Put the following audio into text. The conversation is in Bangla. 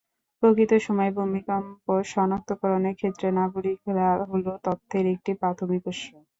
প্রকৃত সময়ে ভূমিকম্প শনাক্তকরণের ক্ষেত্রে নাগরিকরা হলো তথ্যের একটি প্রাথমিক উৎস।